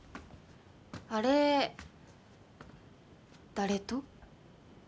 あれ誰と？